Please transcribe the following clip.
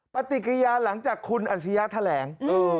ปฏิกิริยาหลังจากคุณอัชริยะแถลง